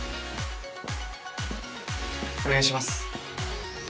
お願いします。